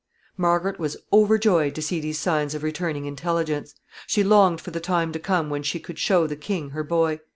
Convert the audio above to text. ] Margaret was overjoyed to see these signs of returning intelligence. She longed for the time to come when she could show the king her boy.